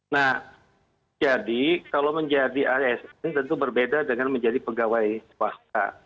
nah jadi kalau menjadi asn tentu berbeda dengan menjadi pegawai swasta